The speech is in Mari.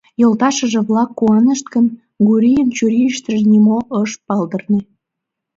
Йолташыже-влак куанышт гын, Гурийын чурийыштыже нимо ыш палдырне.